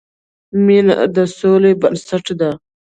مینه د سولې بنسټ ده.